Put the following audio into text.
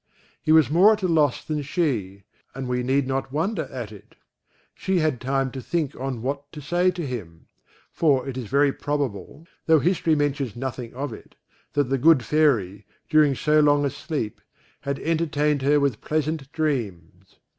He was more at a loss than she, and we need not wonder at it; she had time to think on what to say to him; for it is very probable (though history mentions nothing of it) that the good Fairy, during so long a sleep, had entertained her with pleasant dreams.